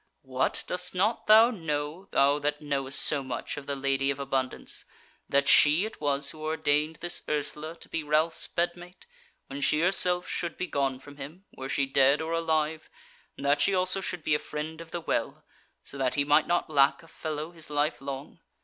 What! dost not thou know, thou that knowest so much of the Lady of Abundance, that she it was who ordained this Ursula to be Ralph's bedmate, when she herself should be gone from him, were she dead or alive, and that she also should be a Friend of the Well, so that he might not lack a fellow his life long?